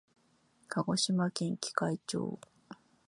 鹿児島県喜界町